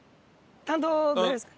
担当誰ですか？